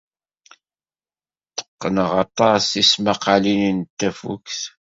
Tteqqneɣ aṭas tismaqqalin n tafukt.